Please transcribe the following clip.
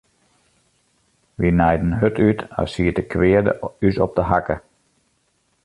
Wy naaiden hurd út as siet de kweade ús op 'e hakke.